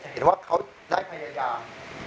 เห็นว่าเขาได้พยายาม